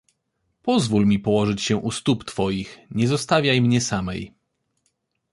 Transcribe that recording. Pozwól mi położyć się u stóp twoich, nie zostawiaj mnie samej!